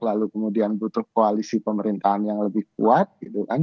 lalu kemudian butuh koalisi pemerintahan yang lebih kuat gitu kan